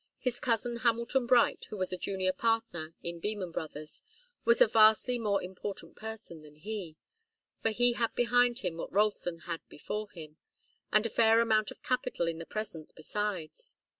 His cousin Hamilton Bright, who was a junior partner in Beman Brothers', was a vastly more important person than he. For he had behind him what Ralston had before him, and a fair amount of capital in the present, besides.